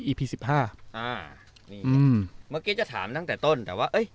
พีสิบห้าอ่านี่อืมเมื่อกี้จะถามตั้งแต่ต้นแต่ว่าเอ้ย